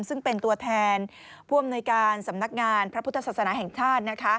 ซึ่งเป็นตัวแทนผู้อำนวยการสำนักงานพระพุทธศาสนาแห่งชาติ